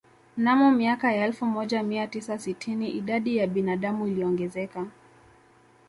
Mnamo miaka ya elfu moja mia tisa sitini idadi ya binadamu iliongezeka